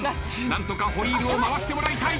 何とかホイールを回してもらいたい。